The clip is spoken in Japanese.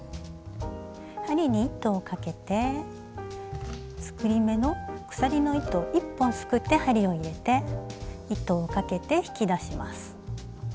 針に糸をかけて作り目の鎖の糸を一本すくって針を入れて糸をかけて引き出します。